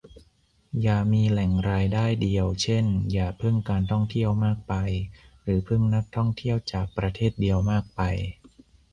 อย่ามีแหล่งรายได้เดียว เช่น อย่าพึ่งการท่องเที่ยวมากไป หรือพึ่งนักท่องเที่ยวจากประเทศเดียวมากไป